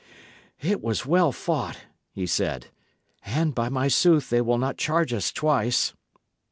"It was well fought," he said, "and, by my sooth, they will not charge us twice."